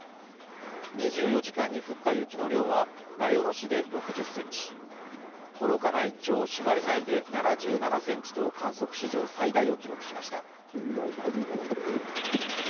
２４時間に降った雪の量は名寄市で６０ｃｍ、幌加内町朱鞠内で７７ｃｍと観測史上最大を記録しました。